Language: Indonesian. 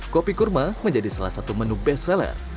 kopi kurma menjadi salah satu menu best seller